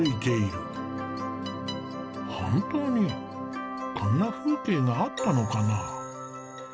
本当にこんな風景があったのかな。